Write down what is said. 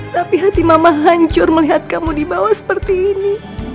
tapi hati mama hancur melihat kamu dibawa seperti ini